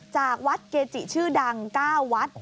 จากวัดเกจิชื่อดัง๙วัด